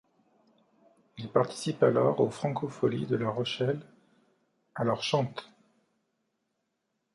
Il participe alors aux Francofolies de La Rochelle, Alors chante !